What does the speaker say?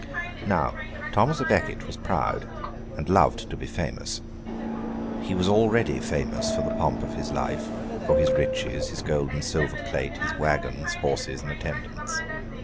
Now, Thomas à Becket was proud and loved to be famous. He was already famous for the pomp of his life, for his riches, his gold and silver plate, his waggons, horses, and attendants.